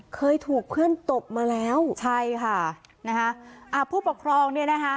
เคยถูกเพื่อนตบมาแล้วใช่ค่ะนะฮะอ่าผู้ปกครองเนี่ยนะคะ